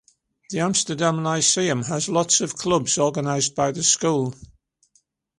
The Amsterdam Lyceum has a lot of clubs organized by the school.